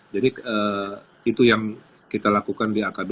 jadi itu yang kita lakukan di akb